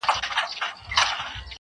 بل ځوان وايي موږ بايد له دې ځایه لاړ سو،